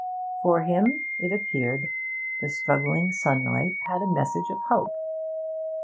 For him, it appeared, the struggling sunlight had a message of hope.